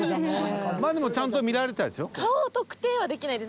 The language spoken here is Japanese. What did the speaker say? まあでもちゃんと見られたでしょ？